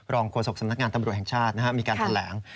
รองโครสกสำนักงานตำรวจแห่งชาตินะครับมีการแถลง